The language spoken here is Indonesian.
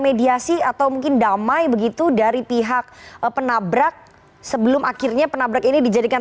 mediasi atau mungkin damai begitu dari pihak penabrak sebelum akhirnya penabrak ini dijadikan